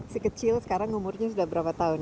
si kecil sekarang umurnya sudah berapa tahun